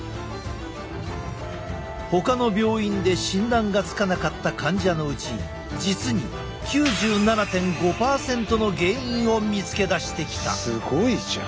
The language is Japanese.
ほかの病院で診断がつかなかった患者のうち実に９７．５％の原因を見つけ出してきた。